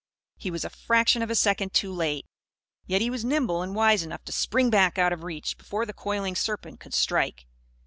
He was a fraction of a second too late. Yet he was nimble and wise enough to spring back out of reach, before the coiling serpent could strike.